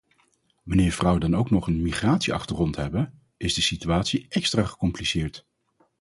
Wanneer vrouwen dan ook nog een migratieachtergrond hebben, is de situatie extra gecompliceerd.